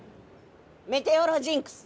メテオロジンクス。